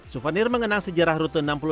suvenir mengenang sejarah rute enam puluh enam